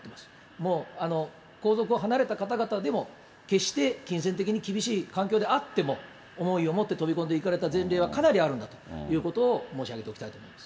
もう皇族を離れた方々でも、決して金銭的に厳しい環境であっても、思いをもって飛び込んでいかれた前例はかなりあるんだということを申し上げておきたいと思います。